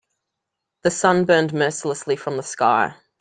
The sun burned mercilessly from the sky.